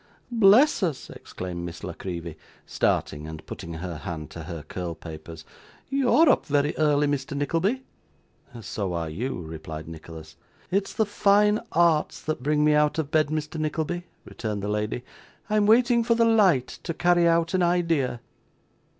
'Bless us!' exclaimed Miss La Creevy, starting and putting her hand to her curl papers. 'You're up very early, Mr. Nickleby.' 'So are you,' replied Nicholas. 'It's the fine arts that bring me out of bed, Mr. Nickleby,' returned the lady. 'I'm waiting for the light to carry out an idea.